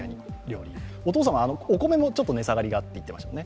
お父さんは、お米の値下がりがと言っていましたね。